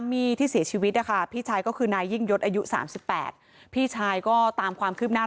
ไม่เชื่อไม่เชื่อ